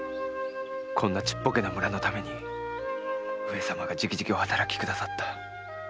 こんなちっぽけな村のために上様が直々お働きくださった。